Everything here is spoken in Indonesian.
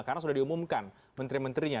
karena sudah diumumkan menteri menterinya